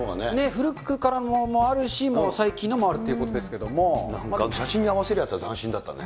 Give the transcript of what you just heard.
古くからのものもあるし、最近のものもあるっていうことですけれども、写真に合わせるやつ、斬新だったね。